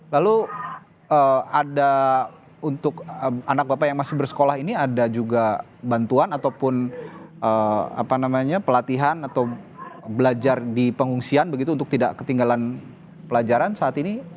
lalu ada untuk anak bapak yang masih bersekolah ini ada juga bantuan ataupun pelatihan atau belajar di pengungsian begitu untuk tidak ketinggalan pelajaran saat ini